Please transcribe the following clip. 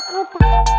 kau mau kemana